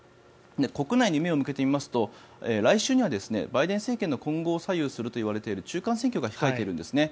国内に目を向けてみますと来週にはバイデン政権の今後を左右するといわれている中間選挙が控えているんですね。